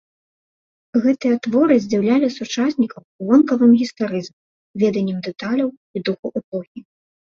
Гэтыя творы здзіўлялі сучаснікаў вонкавым гістарызмам, веданнем дэталяў і духу эпохі.